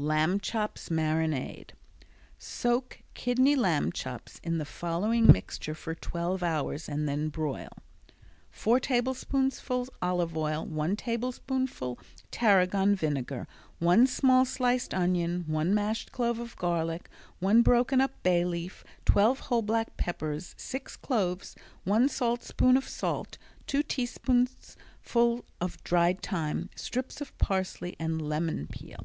Lamb Chops Marinade Soak kidney lamb chops in the following mixture for twelve hours and then broil: Four tablespoonfuls olive oil, one tablespoonful tarragon vinegar, one small sliced onion, one mashed clove of garlic, one broken up bay leaf, twelve whole black peppers, six cloves, one saltspoon of salt, two teaspoonfuls dried thyme, strips of parsley and lemon peel.